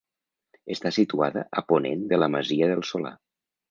Està situada a ponent de la masia del Solà.